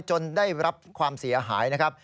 จนได้รับความเสียหายนะครับ